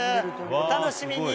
お楽しみに！